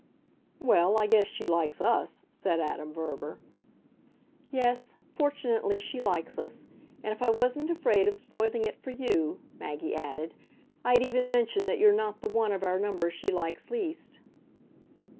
"Well, I guess she likes US," said Adam Verver. "Yes fortunately she likes us. And if I wasn't afraid of spoiling it for you," Maggie added, "I'd even mention that you're not the one of our number she likes least."